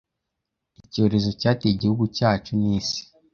icyorezo cyateye igihugu cyacu n'isi